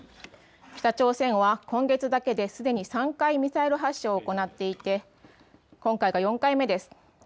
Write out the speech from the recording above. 北朝鮮は今月だけですでに３回ミサイル発射を行っていて今回で４回目です。